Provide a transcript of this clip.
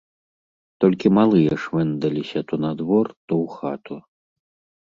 Толькі малыя швэндаліся то на двор, то ў хату.